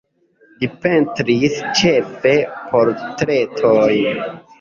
Li pentris ĉefe portretojn.